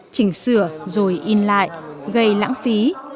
chỉnh sửa rồi in lại gây lãng phí